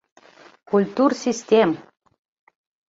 Культур-систем!..